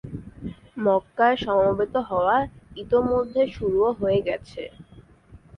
মক্কায় সমবেত হওয়া ইতোমধ্যে শুরুও হয়ে গেছে।